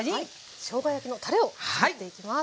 しょうが焼きのたれを作っていきます。